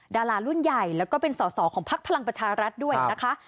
ดารารุ่นใหญ่แล้วก็เป็นสอสอของพักพลังประชารัฐด้วยนะคะ